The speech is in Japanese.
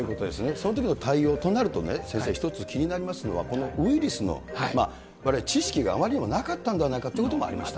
その時の対応となるとね、先生、一つ気になりますのは、このウイルスのわれわれ、知識があまりにもなかったんではないかということもありました。